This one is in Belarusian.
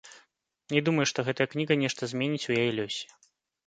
Не думаю, што гэтая кніга нешта зменіць у яе лёсе.